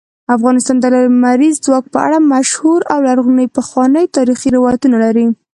افغانستان د لمریز ځواک په اړه مشهور او لرغوني پخواني تاریخی روایتونه لري.